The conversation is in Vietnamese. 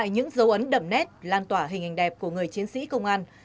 những dấu ấn đậm nét lan tỏa hình hình đẹp của người chiến sĩ công an